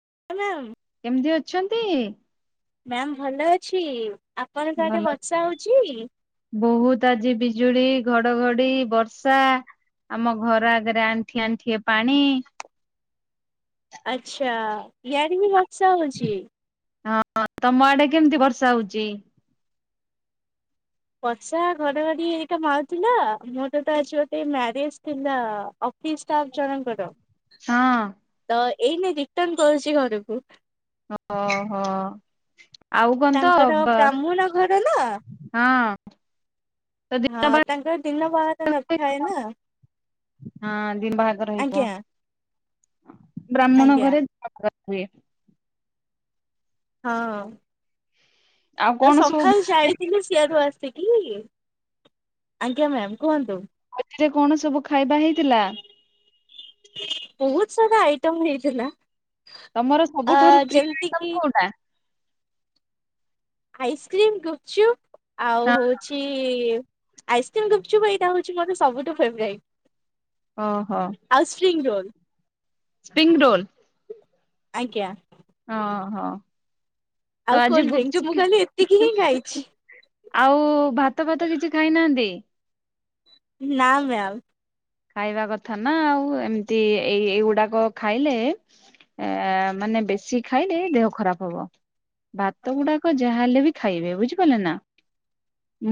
[unintelligible] କେମିତି ଅଛନ୍ତି? ମ୍ୟାାମ ଭଲ ଅଛି। ଆପଣଙ୍କ ଆଡେ ଭଲ ବର୍ଷା ହଉଛି? ବହୁତ ଆଜି ବିଜୁଳି ଘଡଘଡି ବର୍ଷା ଆମ ଘର ଆଗରେ ଆଣ୍ଠିଏ ଆଣ୍ଠିଏ ପାଣି। ଆଛା ଇଆଡ଼େ ବି ବର୍ଷା ହଉଛି। ହଁ ତମ ଆଡେ କେମିତି ବର୍ଷା ହଉଛି? ବର୍ଷା ଘଡଘଡି ଏଇଟା ମାଉଥିଲା ମୋର ତ ତ ଆଜି ଗୋଟେ ମ୍ୟାରେଜ ଥିଲା ଜଣଙ୍କ ହଁ ର। ଏଇନା ରିଟର୍ଣ କରୁଛି ଘରକୁ। ଓ ହୋ। ତାଙ୍କର ବ୍ରାହ୍ମଣ ଘର ନା ହଁ ତ ହଁ ଦିନ ବାହାଘର ତାଙ୍କର ଦିନ ବାହାଘର ନଥାଏ ନା ହଁ ଦିନ ବାହାଘର ହେଇଥିବ ଆଜ୍ଞା। [unintelligible] ବ୍ରାହ୍ମଣ ଆଜ୍ଞା ଘରେ ହୁଏ। ହଁ। ଆଉ ତ କଣ ସବୁ ସକାଳୁ ଯାଇଥିଲୁ ସିଆାଡୁ ଆସି ସେଠି ଆଜ୍ଞା ମ୍ୟାାମ କୁହନ୍ତୁ। ଏଥିରେ କଣ ସବୁ ଖାଇବା ହେଇଥିଲା। ବହୁତ ସାରା ଆଇଟମ ନେଇଥିଲା। ତମର ସବୁଠାରୁ ପ୍ରିୟ କିି ଆଇଟମ କୋଉଟା? ଆଇସ୍କ୍ରିମ୍, ଗୁପଚୁପ ଆଉ ହଁ ହଉଛି ଆଇସ୍କ୍ରିମ୍ ଗୁପଚୁପ ଏଇଟା ହଉଛି ମୋର ସବୁଠୁ ଫେଭୋରାଇଟ। [unintelligible] ସ୍ପ୍ରିଂ ରୋଲ ଆଜ୍ଞା। ହଁ ହଁ। ଆଉ କୋଲଡଡ୍ରିକ୍ସ ମୁଁ କାଲି ଏତିକି ହିଁ ଖାଇଛି। ଆଉ-ଉ-ଉ ଭାତ ଫାତ କିଛି ଖାଇନାହାନ୍ତି? ନା ମ୍ୟାାମ୍। ଖାଇବା କଥା ନା ଆଉ ଏମିତି ଏଇ ଏଇଗୁଡାକ ଖାଇଲେ ଏ-ଏ-ଏ ମାନେ ବେଶୀ ଖାଇଲେ ଦେହ ଖରାପ ହବ। ଭାତ ଗୁଡାକ ଯାହାହଲେ ବି ଖାଇବେ, ବୁଝିପାରିଲେ ନା?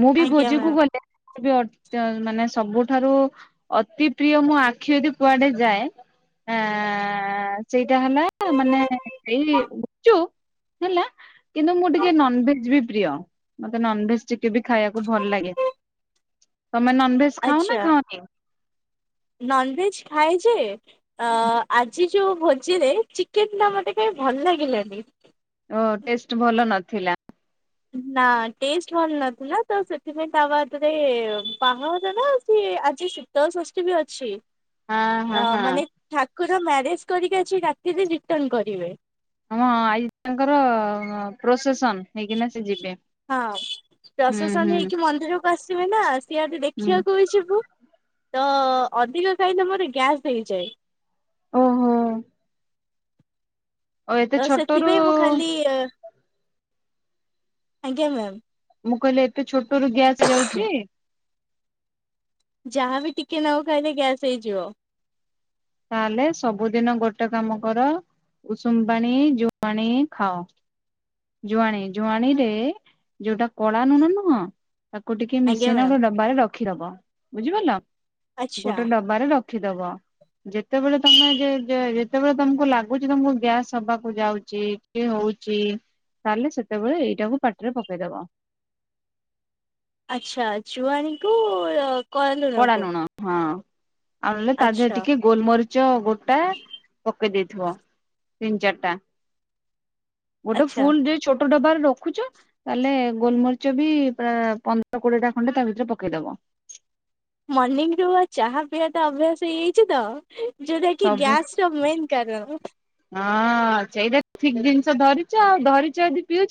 ମୁଁ ବି ଆଜ୍ଞା ଭୋଜିକୁ ମ୍ୟାମ୍। ଗଲେ [unintelligible] ମାନେ ସବୁଠାରୁ ଅତି ପ୍ରିୟ ମୁଁ ଆଖି ଯଦି କୁଆଡେ ଯାଏ ଆ-ଆ-ଆ-ଆ ସେଇଟା ହେଲା ମାନେ ସେଇ ଗୁପଚୁପ ହେଲା କିନ୍ତୁ ମୁଁ ଟିକେ ନନଭେଜ ବି ପ୍ରିୟ, ମତେ ନନଭେଜ ଟିକେ ବି ଖାଇବାକୁ ଭଲ ଲାଗେ। ତମେ ନନଭେଜ ଖାଅ ନା ଆଚ୍ଛା ଖାଉନି? ନନଭେଜ ଖାଏ ଯେ, ଅ-ଅ-ଅ ଆଜି ଯୋଉ ଭୋଜିରେ ଚିକେନ ଟା ମୋତେ କାହି ଭଲ ଲାଗିଲାନି। ଅ ଟେଷ୍ଟ ଭଲ ନଥିଲା। ନା ଟେଷ୍ଟ ଭଲ ନଥିଲା। ତ ସେଥିପାଇଁ ତା ବାଦରେ-ଏ-ଏ-ଏ ବାହାର ନା ସିଏ ଆଜି ଶୀତଳ ଷଷ୍ଠୀ ବି ଅଛି। ହଁ ହଁ ହଁ। କୁର ମ୍ୟାରେଜ କରିକି ଆଜି ରାତିରେ ରିଟର୍ଣ କରିବେ। ହ ହଁ ଆଜି ତାଙ୍କର ପ୍ରୋସେସନ ହେଇକିନା ସେ ଯିବେ। ହଁ ହୁଁ ହୁଁ ପ୍ରଶସନ ହେଇକି ମନ୍ଦିରକୁ ଆସିବେ ନା ସିଆଡ଼େ ହୁଁ ଦେଖିବାକୁ ବି ଯିବୁ। ତ-ଅ-ଅ ଅଧିକ ଖାଇଲେ ମୋର ଗ୍ୟାସ୍ ହୋଇଯାଏ। ଓ ହୋ। ଆଉ ତ ଏତେ ଛୋଟ ସେଥିପାଇଁ ମୁଁ ରୁ-ଉ-ଉ-ଉ ଖାଲି ଆଜ୍ଞା ମ୍ୟାମ୍ ମୁଁ କହିଲ ଏତେ ଛୋଟ ରୁ ଗ୍ୟାସ୍ ହେଇ ଯାଉଛି? ଯାହାବି ଟିକେ ନାକୁ ଖାଇଲେ ଗ୍ୟାସ୍ ହେଇଯିବ। ତାହେଲେ ସବୁଦିନ ଗୋଟେ କାମ କର ଉଷୁମ ପାଣି, ଜୁଆଣି ଖାଅ। ଜୁଆଣୀ ଜୁଆଣୀ ରେ ଯୋଉଟା କଳା ନୁଣ ନୁହଁ ତାକୁ ଟିକେ ଆଜ୍ଞା ମିସେଇନ ମ୍ୟାମ୍ ଗ ଡବାରେ ରଖ୍ ରଖିଦବ, ବୁଝିପାରିଲ? ଆଚ୍ଛା। ଗୋଟେ ଡବାରେ ର ରଖିଦବ ଯେତେବେଳେ ତମେ ଯେ ଯେ ଯେତେବେଳେ ତମକୁ ଲାଗୁଛି ତମକୁ ଗ୍ୟାସ୍ ହବାକୁ ଯାଉଛି, କି ହଉଛି ତାହେଲେ ସେତେବେଳେ ଏଇଟାକୁ ପାଟିରେ ପକେଇଦବ। ଆଛା ଜୁଆଣିକୁ-ଉ-ଉ-ଉ କୋଳା ନୁଣ ହଁ ଆଉେଲେ ତା ଦେହ ଆଚ୍ଛା ଟିକେ ଗୋଲମରିଚ ଗୋଟେ ଟା ପକେଇ ଦେଇେଇଥିବ ତିନି ଚାରିଟା ଗୋଟେ ଆଚ୍ଛା। ଫୁଲ ଯେ ଛୋଟ ଛୋଟ ଡବାରେ ରଖୁଛ ତାହେଲେ ଗୋଲମରିଚ ବି ପ ପନ୍ଦର କୋଡିଏ ଟା ଖଣ୍ଡେ ତା ଭିତରେ ପକେଇଦବ ମର୍ନିଂ ରୁ ଚାହା ପିଇବା ତ ଅଭ୍ୟାସ ହେଇଯାଇଛି ତ ଯୋଉଟା କି ସବୁ ଗ୍ୟାସ ର ମେନ୍ କାରଣ। ହଁ ସେଇଟା ଠିକ ଜିନ ଧରିଚଛ ଆଉ ଧରିଚ ଯଦି ପିଉଛି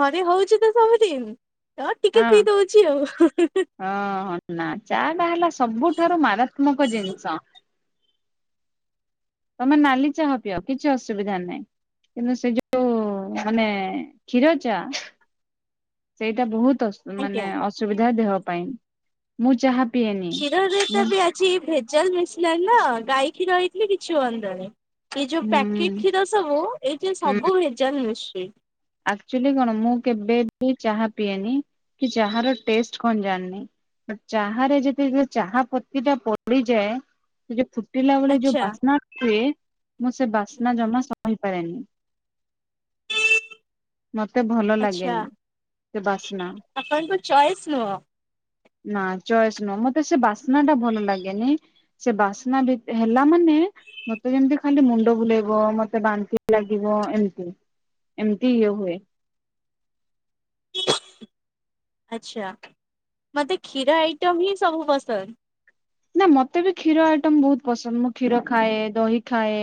ଘରେ ହଉଛି ସବୁତି ହଁ ହଁ ନା ଚା ଟା ହେଲା ସବୁଠାରୁ ମାରାତ୍ମକ ଜିନିଷ ତମେ ନାଲି ଚାହା ପିଅ କିଛି ଅସୁବିଧା ନାହିଁ କିନ୍ତୁ ସେ ଯୋଉ ମାନେ କ୍ଷୀର ଚା ସେଇଟା ବହୁତ ମାନେ ଆଜ୍ଞା। ଅସୁବିଧା ଦେହ ମୁଁ ଯାହା କ୍ଷୀରରେ ତ ବି ଆଜି ଭେଜଲ ମିଶିଲଣି ନା ଗାଈ କୀର ରଇଥିଲେ କିଛି ହୁଅନ୍ତାନ ଏଇ ଯୋଉ ପ୍ୟାକେଟ ହୁଁ କ୍ଷୀର ସବୁ ଏଇଠି ସବୁ ଭେଜାଷ ହ ଆକ୍ଚୁଲି କଣ ମୁଁ କେବେ ବି ଚାହା ପିଏନି କି ଚା ର ଟେଷ୍ଟ କଣ ଜାଣିିନି ଚାାରେ ଯଦି ଚାହା ପତି ଟା ପଡିଯାଏ କୁଟିଲା ବେଳେ ଯୋଉ ଆଚ୍ଛା। ବାସ୍ନା ହୁଏ ମୁଁ ସେ ବାସ୍ନା ଜମା ସ କରନି ଭଲ ଆଛା ଲାଗେନି। ସେ ବାସ୍ନା ଆପଣଙ୍କ ଚଏସ୍ ନୁହଁ ନା ଚଏସ୍ ନୁହଁ ମତେ ସେ ବାସ୍ନା ଟା ଭଲ ଲାଗେନି ସେ ବାସ୍ନା ଭ ହେଲା ମାନେ ମତେ ଯେମିତି ଖାଲି ମୁଣ୍ଡ ବୁଲେଇବ ମତେ ବାନ୍ତି ଲାଗିବ ଏମତି ିଓ ହଏ ଆଚଛା ମତେ କ୍ଷୀର ଆଇଟମ୍ ହିଁ ସବୁ ପସନ୍ଦ ନା ମତେ ବି କ୍ଷୀର ଆଇଟମ ବହୁତ ପସନ୍ଦ ମୁଁ କ୍ଷୀର ଖାଏ ଦହି ଖାଏ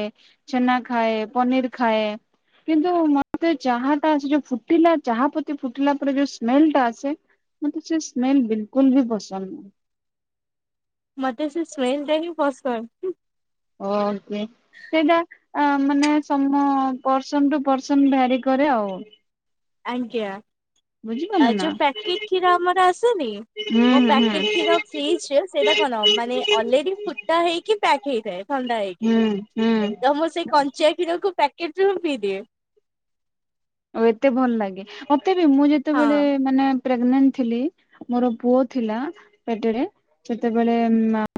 ଛେନା ଖାଏ ପନିର ଖାଏ କିନ୍ତୁ ମତେ ଚାହା ଟା ଯୋଉ ଫୁଟିଲା ଚାହା ପ୍ରତି ଫୁଟିଲା ପରେ ଯୋଉ ସ୍ମେଲ ଟା ଆସେ ମତେ ସେ ସ୍ମେଲ ବିଲକୁଲ ବି ପସନ୍ଦ ନାହିଁ ମତେ ସେ ସ୍ମେଲ ତାାନି ଫସ୍ ଓକ ସେଇଟା ମାନେ ସମ ପର୍ସନ ଟୁ ପର୍ସନ ଭାରି କରେ ଆଉ ଆଙ୍କଆା ଆ ବୁଝିପାରିଲେ ନା ଯୋଉ ପ୍ୟାକେଟ କ୍ଷୀର ଆମର ଆସେନି ହୁଁ ମୋ ହୁଁ ପ୍ୟାକେଟ କ୍ଷୀର ଫ୍ରିଜ ସେଇଟା କଣ ମାନେ ଅଲରେଡି ଫୁଟା ହେଇକି ପ୍ୟାକ୍ ହେଇଥାଏ ଥଣ୍ଡା ହେଇକି ହୁଁ ହୁଁ ତ ମୁଁ ସେଇ କଞ୍ଚାଆ କ୍ଷୀରକୁ ପ୍ୟାକେଟୁ ପିଇ ଦିଏ ଆଉ ଏତେ ଭଲ ଲାଗେ ମ େ ମୁଁ ହଁ। ଯେତେବେଳେ ମାନେ ପ୍ରେଗନଣ୍ଟ ଥିଲି ମୋର ପୁଅ ଥିଲା ପେଟରେ ସେତେବେଳେ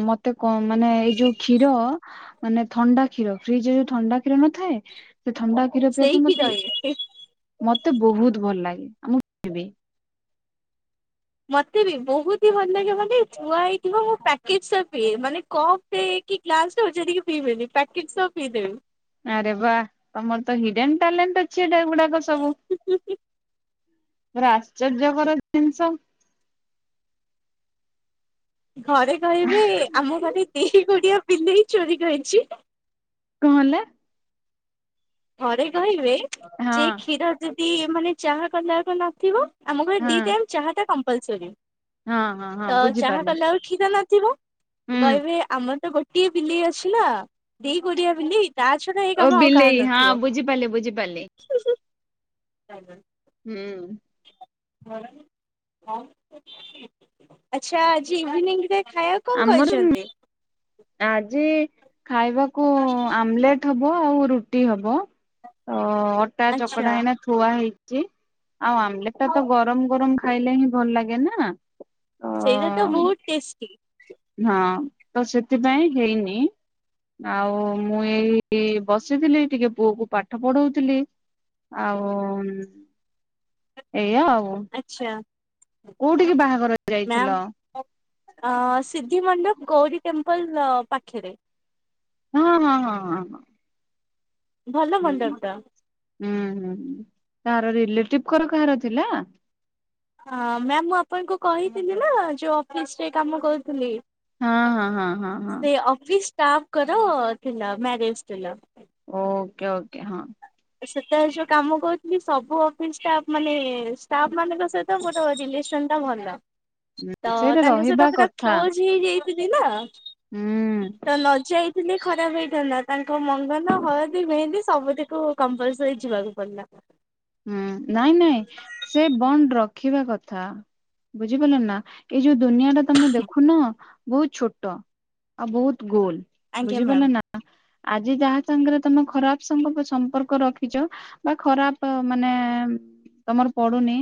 ମତେ ମାନେ ଏଇ ଯୋଉ କ୍ଷୀର ମାନେ ଥଣ୍ଡା କ୍ଷୀର ଫ୍ରିଜରେ ଯୋଉ ଥଣ୍ଡା କ୍ଷୀର ନଥାଏ ସେ ଥଣ୍ଡା କ୍ଷୀର ସେଇ ପିଇବା ପାଇଁ କ୍ଷୀର ମତେ ହିଁ ମତେ ବହୁତ ଭଲ ଲାଗେ ଆଉ ମୁଁ ମତେ ବି ବହୁତ ହି ଭଲ ଲାଗିବନ ସେଇ ଛୁଆ ହେଇଥିବ ମୋ ପକେ ପିଇ ମାନେ କପ୍ କି ଗ୍ଲାସ ପିଇବେନି ପ୍ୟାକେଟ ସବ ପିଇଦେବେ। ଆରେ ବା ତମର ତ ହିଡେନ୍ ଟ୍ୟାଲେଣ୍ଟ ଅଛି ଏଟା। ଗୁଡାକ ସବୁ। ବସ- ଆଚର୍ଯ୍ୟକର ଜିନିଷ ଘରେ କହିବେ ଆମ ଘରେ ଦ ଗଡିଆ ବିଲେଇ ଚୋରି କରିଛି। କଣ ହେଲେ? ଘରେ। କହିବେ ହଁ ସେ କ୍ଷୀର ଯ ମାନେ ଚାହା କଦକ ନଥିବ ଆମ ଘରେ ହଁ ଦି ଟାଇମ୍ ଚାହା ଟା କ ପଲସରି। ହଁ ହଁ ହଁ ତ ଚାହା ବୁଝିପାରିଲି କଲେ ଆଳ ଠିକ ହେଲା। ଯିବା। ହୁଁ କହିବେ ଆମର ତ ଗୋଟେ ଗୋଟିଏ ବିଲେଇ ଅଛି ନା ଦେଇ ଗଡିଆ ବିଲେଇ ତା ଛଡା ଏଇ ଓ କାମ ଆଉ କାହା ବିଲେଇ ନ। ହଁ ବୁଝିପାରିଲି ବୁଝିପାରିଲି। [inaudible] ହୁଁ। ଆଛାଜି ଇଭିନି ଖା କଣ ଆମର କହିଛନ୍ତି? ଆଜି ଖାଇବାକୁ ଆମଲେଟ ହବ ଆଉ ରୁଟି ହବ। ତ ଅଟା ଆଚ୍ଛା ଚକଡା ହେଇନା ଛୁଆ ହେଇଛି। ଆଉ ଆମଲେଟ ଟା ତ ଗରମ ଗରମ ଖାଇଲେ ହିଁ ଭଲ ଲାଗେ ନା ତ ସେଇଟା ତ ବହୁତ ଟେଷ୍ଟି। ହଁ ତ ସେଥିପାଇଁ ହେଇନି ଆଉ ମୁଁ ଏଇ ବସିଥିଲି ଟିକେ ପୁଅ କ ପାଠ ପଢଉଥିଲି ଆଉ ଏଇୟାଉ। ଆଛା। କୋଉଠିକି ବାହାଘର ଯାଇଥିଲ ଅ ସିଦ୍ଧି ମଣ୍ଡପ ଗୌରୀ ଟେମ୍ପ ପଲ ପାଖେରେ ହଁ ହଁ ହଁ ହଁ ହଁ। ଭଲ ହୁଁ ମଣ୍ଡପ ଟା। ହୁଁ ହୁଁ କାହାର ଲିଲେଟିବ୍ [unintelligible] କାହାର ଥିଲା ମ୍ୟାମ ମୁଁ ଆପଣଙ୍କୁ କହିଥିଲି ନା ଯୋଉ ଅଫିସ ରେ କାମ କରୁଥିଲି ହଁ ହଁ ହଁ ହଁ ହଁ। ଷ୍ଟାଫ କର ଥିଲା ମ୍ୟାରେଜ ଥିଲା। ଓକେ ଓକେ ହଁ ସେତେବେଳେ ଯୋଉ କାମ କରୁଥିଲି ସବୁ ଅଫିସ ଷ୍ଟାଫ୍ ମାନେ ଷ୍ଟାଫ୍ ମାନଙ୍କ ସହିତ ମୋର ରିଲେସନ ଟା ଭଲ। ତ ସେଇଟା ତାଙ୍କ ରହିବା ସହିତ ପୁରା କଥା କ୍ଲୋଜ ହେଇଯାଇ [unintelligible] ହୁଁ ତ ନଜାଇ ଖରାପ ହେଇଥାନ୍ତା ତାଙ୍କ ମଙ୍ଗନ ହଳଦୀ ମେହେନ୍ଦୀ ସବୁଠିକୁ କମ୍ପଲସରି ଯିବାକୁ ପଡିଲା। ହୁଁ ନାଇଁ ନାଇଁ ସେ ବଣ୍ଡ ର ରଖିବା କଥା ବୁଝିପାରିଲ ନା ଏଇ ଯୋଉ ଦୁନିଆ ଟା ତମେ ଦେଖୁନ ବହୁତ ଛୋଟ ଆଉ ବହୁତ ଗୋଲ ଆଜ୍ଞା ବୁଝିପାରିଲ ମ୍ୟାମ୍। ନା ଆଜି ଯାହା ସାଙ୍ଗରେ ତମେ ଖରାପ ସାଙ୍ଗ ସମ୍ପର୍କ ରଖିଛ ବା ଖରାପ ମାନେ ତମର ପଡୁନି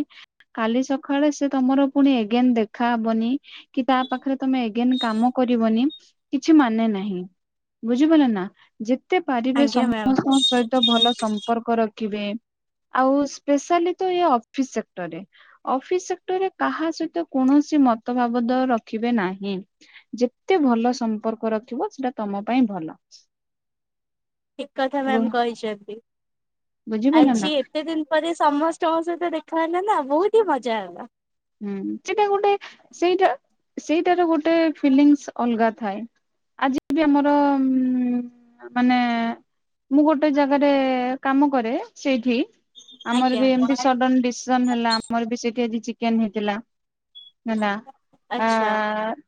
କାଲି ସକାଳେ ସେ ତମର ପୁଣି ଏଗେନ ଦେଖାହବନି କି ତା ପାଖରେ ତମେ ଏଗେନ କାମ କରିବନି କିଛି ମାନେ ନାହିଁ ବୁଝିପରିଲ ନା ଯେ ଯେତେ ପାରିବେ ଆଜ୍ଞା ମ୍ୟାମ୍ ସମସ୍ତଙ୍କ ସହିତ ଭଲ ସମ୍ପର୍କ ରଖିବେ ଆଉ ସ୍ପେଶାଲି ତ ଇ ଅଫିସ ସେକ୍ଟରରେ ଅଫିସ ସେକ୍ଟରରେ କାହା ସହିତ କୌଣସି ମତ ବାବଦ ରଖିବେ ନାହିଁ ଯେତେ ଭଲ ସମ୍ପର୍କ ରଖିବ ସେଟା ତମ ପାଇଁ ଭଲ। ଠିକ କଥା ମ୍ୟାମ କହିଛନ୍ତି। ବୁଝିପାରିଲ ଆଜି ନା ଏତେ ଦିନ ପରେ ସମସ୍ତଙ୍କ ସହିତ ଦେଖ [unintelligible] ବହୁତ ହିଁ ମଜା ହେଲା। ହୁଁ ସେଇଟା ଗୋଟେ ସେଇଟା ସେଇଟାର ଗୋଟେ ଫିଲିଂସ ଅଲଗା ଥାଏ ଆଜି ବି ଆମର ମାନେ ମୁଁ ଗୋଟେ ଜାଗାରେ କାମ କରେ ସେଇଠି ଆମର ଆଜ୍ଞା ବି ଏମିତି ସଡନ ଡିସିଜନ ହେଲା ଆମର ବି ସେଠି ଆଜି କେନ୍ ହେଇଥିଲା [unintelligible] ଆ ଆଚ୍ଛା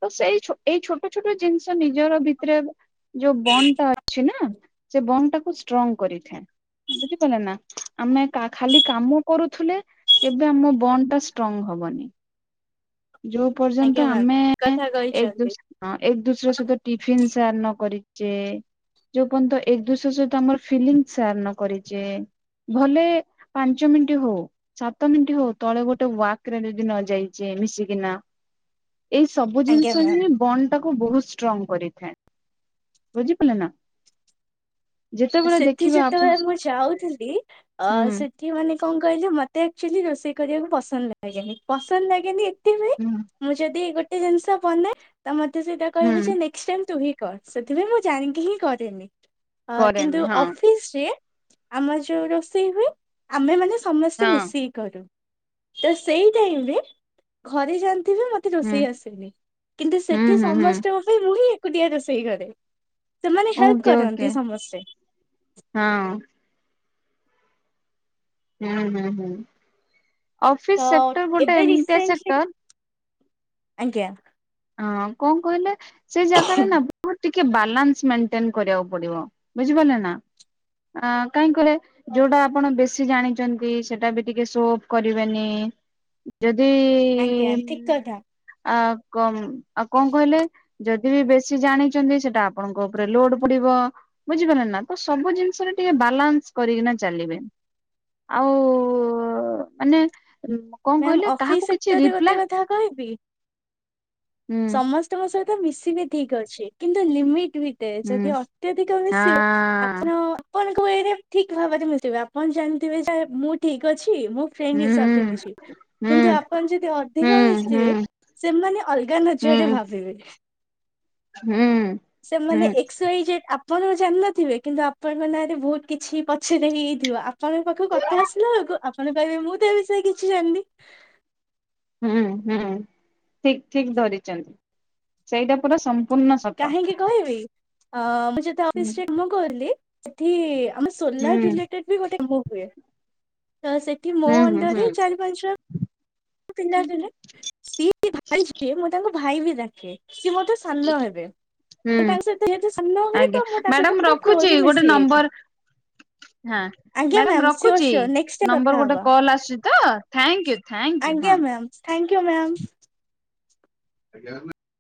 ତ ସେଇ ଏଇ ଛୋଟ ଛୋଟ ଜିନିଷ ନିଜର ଭିତରେ ଯୋଉ ବଣ୍ଡ୍ ଟା ଅଛି ନା ସେ ବଣ୍ଡ୍ ଟାକୁ ଷ୍ଟ୍ରଙ୍ଗ କରିଥାଏ ବୁଝିପାରିଲେ ନା ଆମେ ଖାଲି କାମ କରୁଥିଲେ କେବେ ଆମ ବଣ୍ଡ୍ ଟା ଷ୍ଟ୍ରଙ୍ଗ ହବନି। ଯୋଉ ଆଜ୍ଞା ପର୍ଯ୍ୟନ୍ତ ମ୍ୟାମ୍ ଆମେ କଥା କହିଛନ୍ତି ଏକ ଦୁଶର ସହିତ ଟିଫିନ ସେୟାର ନ କରି ଯେ ଯୋଉଁ ପର୍ଯ୍ୟନ୍ତ ଏକ ଦୁସରେ ସହିତ ଆମ ଫିଲିଙ୍ଗସ ସେୟାର ନ କରିଛ ଭଲେ ପାଞ୍ଚ ମିନିଟ ହଉ ସାତ ମିନିଟ ହଉ ତଳେ ଗୋଟେ ୱାକ୍ରରେ ଯଦି ନ ଯାଇଛେ ମିଶିକିନା ଏଇ ସବୁ ଜିନିଷ ଆଜ୍ଞା ମ୍ୟାମ୍। ହିଁ ବଣ୍ଡ ତାକୁ ବହୁତ ଷ୍ଟ୍ରଙ୍ଗ କରିଥାଏ ବୁଝିପାରିଲ ନା? ଯେତେବେଳେ ସେଠି ଦେଖିବେ ଆପଣ ଯେତେବେଳେ ମୁଁ ଯାଉଥିଲି ଅ ହୁଁ ସେଠି ମାନେ କଣ କହିଲେ ମତେ ଆକ୍ଚୁଆଲି ରୋଷେଇ କରିବାକୁ ପସନ୍ଦ ଲାଗେନି ପସନ୍ଦ ଲାଗେନି ହୁଁ [unintelligible] ମୁଁ ଯଦି ଗୋଟେ ଏଇ ଜିନିଷ ବନେ ତମର ସେଇଟା ହୁଁ କହିବେ ଯେ ନେକ୍ସ ଟାଇମ ତୁହିଁ କ ସେଥିପାଇ ମୁଁ ଜାଣିକି ହିଁ କରିନି। କରେନ ତୁ ଅଫିସ ରେ ଆମ ଯୋଉଁ ରୋଷେଇ ହୁଏ ଆମେ ମାନେ ସମସ୍ତେ ହଁ ମିଶି କି କରୁ। ତ ସେଇ ଟାଇମରେ ଘରେ ଯା ମତେ ହୁଁ ରୋଷେଇ ଆସେନି କିନ୍ତୁ ହୁଁ ସେଠି ହୁଁ ହୁଁ ସମସ୍ତଙ୍କ ପାଇଁ ମୁଁ ହିଁ ଏକୁଟିଆ ରୋଷେଇ ଘରେ ସେମାନେ ହେଲ୍ପ ଓକେ ଓକେ କରନ୍ତି ସମସ୍ତେ ହଁ। ହୁଁ ହୁଁ ହୁଁ। ତ ଅଫିସ ସେକ୍ଟର ଗୋଟେ ଏବେ ଏମିତିଆ ରିସେଣ୍ଟଲି ସେକ୍ଟର। ଆଜ୍ଞା। ହଁ କଣ କହିଲେ? ସେଇ ଜାଗାରେ ନା ବହୁତ ଟିକେ ବାଲାନ୍ସ ମେଣ୍ଟେନ କରିବାକୁ ପଡିବ ବୁଝିପାରିଲେ ନା କାହିଁକ କହିଲେ ଯୋଉଟା ଆପଣ ବେଶୀ ଜାଣିଛନ୍ତି ସେଟା ବି ଟିକେ ସୋଭ କରିବେନି। ଯଦି ଆଜ୍ଞା ଠିକ କଥା ଅ କମ୍ ଆଉ କଣ କହିଲେ ଯଦି ଦ ବି ବେଶୀ ଜାଣିଛନ୍ତି ସେଟା ଆପଣଙ୍କ ଉପରେ ଲୋଡ ପଡିବ ବୁଝିପାରିଲ ନା ତ ସବୁ ଜିନିଷରେ ଟିକେ ବାଲାନ୍ସ କରିକିନା ଚାଲିବେ ଆଉ ମାନେ କଣ ମ୍ୟାମ କହିଲେ ଅଫିସ କାହାକୁ କିଛି ସେକ୍ଟରରେ ଗୋଟେ ରିପ୍ଲାଏ କଥା କହିବି। ହୁଁ ସମସ୍ତ ମ ସହିତ ମିଶିବି ଠିକ ଅଛି କିନ୍ତୁ ଲମିଟ ଯଦି ହୁଁ ଅତ୍ୟଧିକ ମିଶିବେ ଆପଣ, ଆପଣ ଠିକ ଭାବରେ ମିିଶିବେ ଆପଣ ଜାଣିଥିବେ ଯେ ମୁଁ ଠିକ ଅଛି ମୁଁ ହଁ ଫ୍ରେଣ୍ଡ ହିସାବରେ ହୁଁ ମିଶିବି। ହୁଁ କିନ୍ତୁ ଆପଣ ଯଦି ହୁଁ ଅଧିକ ହୁଁ ମିଶିବେ ସେମାନେ ଅଲଗା ହୁଁ ନଜରରେ ଭାବିବେ। ହୁଁ ହୁଁ। ସେମାନେ ଏକ୍ସ ୱାଇ ଜେଡ୍ ଆପଣ ଜାଣିନଥିବେ କିନ୍ତୁ ଆପଣଙ୍କ ନାଁରେ ବହୁତ କିଛି ପଛରେ ହେଇଯାଇଥିବ ଆପଣଙ୍କ ପାଖକୁ କଥା ଆସିଲା ବେଳକୁ ଆପଣ କହିବେ ମୁଁ ତ ଏ ବିଷୟରେ କିଛି କିଛି ଜାଣିନି। ହୁଁ ହୁଁ ଠିକ ଠିକ ଧରିଛନ୍ତି ସେଇଟା ପୁରା ସ କାହିଁକି କହିବି? ଅ। ଯେତେ ହୁଁ ଅଫିସ୍ ରେ କାମ କରିଲି। [unintelligible] ସେଠି ଆମ ହୁଁ ସୋଲାର ରିଲେଟେଡବି ଗୋଟେ କାମ ହୁଏ। ତ ସେଠି ମୋ ହୁଁ ହୁଁ ହୁଁ ଅଣ୍ଡରରେ ଚାରି ପାଞ୍ଚ ତିନିରିନରେ ସିଏ ଭାବିଚି ମୁ [unintelligible] ଭାଇ ବି ଡାକେ। ସିଏ ମୋଠୁ ସାନ ହେବେ ହୁଁ ମୁଁ ତାଙ୍କ ସହିତ ଯେହେତୁ ସାନ ହେବେ ଆଜ୍ଞା ତ ମୁଁ ତାଙ୍କ ସହିତ ମ୍ୟାଡାମ ପୁରା ରଖୁଛି କ୍ଲୋଜଲି ଗୋଟେ ମିଶି ଯାଇଥିଲି ନମ୍ବର ହଁ ଆଜ୍ଞା ମ୍ୟାଡାମ ମ୍ୟାମ୍ ସିଓର ରଖୁଛି ସିଓର ନେକ୍ସଟ ନମ୍ବର କଥା ଗୋଟେ ହବା କଲ ଆସୁଛି ତ ଥ୍ୟାଙ୍କୁ ଥ୍ୟାଙ୍କୁ। ଆଜ୍ଞା ମ୍ୟାମ୍ ଆ ଥ୍ୟାଙ୍କୟୁ ମ୍ୟାମ୍। ଆଜଜାର ନା [unintelligible]